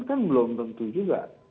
kan belum tentu juga